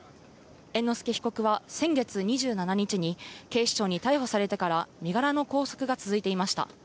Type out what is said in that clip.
猿之助被告は先月２７日に、警視庁に逮捕されてから身柄の拘束が続いていました。